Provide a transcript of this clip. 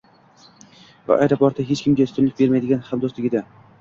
va apriori hech kimga ustunlik bermaydigan hamdo‘stlik edi.